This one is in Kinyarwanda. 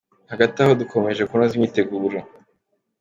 Hagati aho, dukomeje kunoza imyiteguro :